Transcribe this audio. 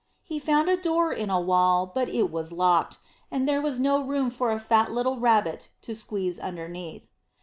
He found a door in a wall; but it was locked, and there was no room for a fat little Rabbit to squeeze underneath.